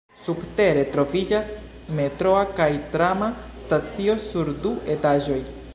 Subtere troviĝas metroa kaj trama stacio sur du etaĝoj.